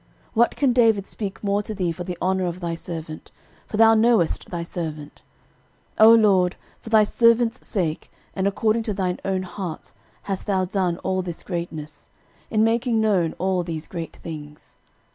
13:017:018 What can David speak more to thee for the honour of thy servant? for thou knowest thy servant. 13:017:019 O LORD, for thy servant's sake, and according to thine own heart, hast thou done all this greatness, in making known all these great things.